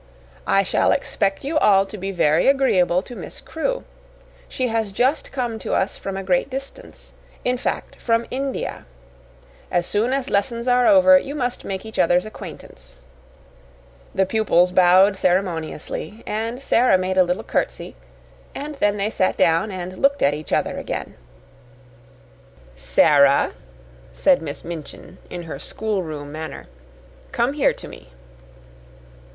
"I shall expect you all to be very agreeable to Miss Crewe; she has just come to us from a great distance in fact, from India. As soon as lessons are over you must make each other's acquaintance." The pupils bowed ceremoniously, and Sara made a little curtsy, and then they sat down and looked at each other again. "Sara," said Miss Minchin in her schoolroom manner, "come here to me."